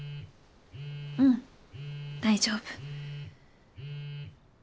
うん大丈夫。